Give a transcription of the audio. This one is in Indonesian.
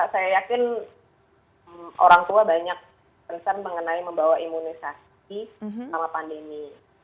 saya yakin orang tua banyak concern mengenai membawa imunisasi selama pandemi